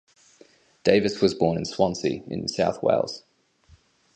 Davis was born in Swansea, in south Wales.